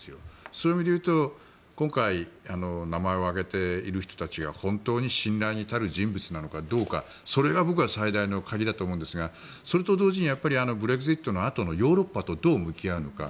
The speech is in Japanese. そういう意味でいうと今回、名前を挙げている人たちが本当に信頼に足る人物なのかどうかそれが僕は最大の鍵だと思うんですがそれと同時にやっぱりブレグジットのあとのヨーロッパとどう向き合うのか。